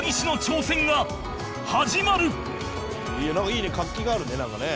「いいね活気があるねなんかね」